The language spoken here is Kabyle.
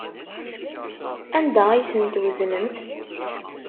Anda ay tent-tweznemt?